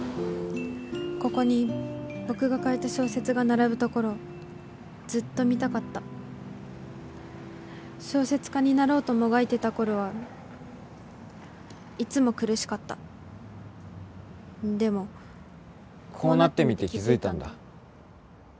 ここに僕が書いた小説が並ぶところをずっと見たかった小説家になろうともがいてた頃はいつも苦しかったでもこうなってみて気づいたんだ